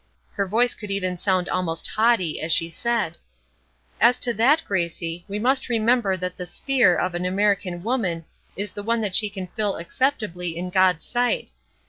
Her voice could even sound almost haughty as she said: "As to that, Gracie, we must remember that the 'sphere' of an American woman is the one that she can fill acceptably in God's sight.